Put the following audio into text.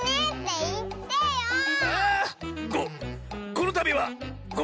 このたびはご！